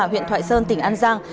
huyện thoại sơn tỉnh an giang